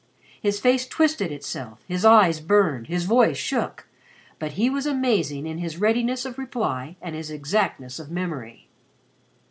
His face twisted itself, his eyes burned, his voice shook, but he was amazing in his readiness of reply and his exactness of memory.